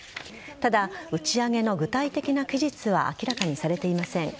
ただ、打ち上げの具体的な期日は明らかにされていません。